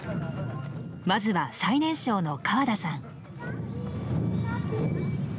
まずは最年少の河田さん。